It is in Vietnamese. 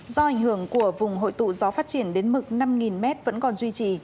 do ảnh hưởng của vùng hội tụ gió phát triển đến mực năm m vẫn còn duy trì